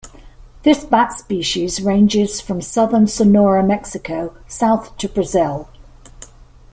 This bat species ranges from southern Sonora, Mexico south to Brazil.